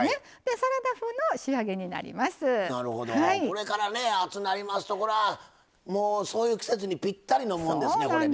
これからね暑うなりますとこれはもうそういう季節にぴったりのもんですねこれね。